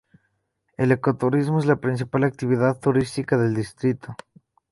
El ecoturismo es la principal actividad turística del distrito.